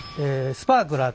スパークラー？